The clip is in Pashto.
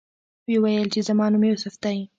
ویې ویل چې زما نوم یوسف دی.